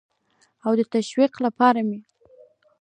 او د تشویق لپاره مې